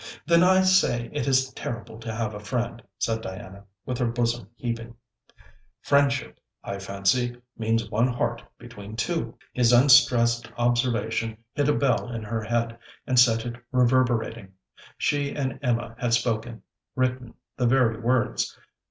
'Then I say it is terrible to have a friend,' said Diana, with her bosom heaving. 'Friendship, I fancy, means one heart between two.' His unstressed observation hit a bell in her head, and set it reverberating. She and Emma had spoken, written, the very words.